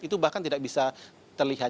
itu bahkan tidak bisa terlihat